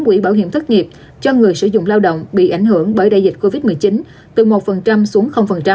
quỹ bảo hiểm thất nghiệp cho người sử dụng lao động bị ảnh hưởng bởi đại dịch covid một mươi chín từ một xuống